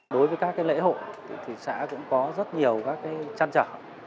đối với các cái lễ hội thì xã cũng có rất nhiều các cái trăn trở